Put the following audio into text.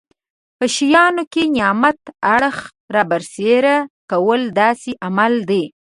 په شیانو کې د نعمت اړخ رابرسېره کول داسې عمل دی.